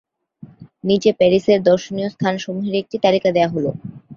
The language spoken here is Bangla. নিচে প্যারিসের দর্শনীয় স্থানসমূহের একটি তালিকা দেওয়া হল।